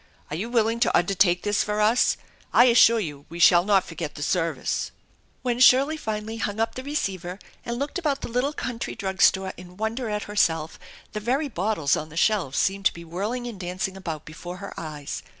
Are you willing to undertake this for us? I assure you we shall not forget the service." When Shirley finally hung up the receiver and looked about the little country drug store in wonder at herself the very bottles on the shelves seemed to be whirling and dancing about before her eyes.